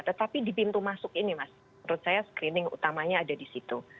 tetapi di pintu masuk ini mas menurut saya screening utamanya ada di situ